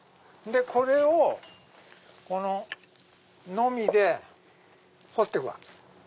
これをこののみで彫ってくわけ。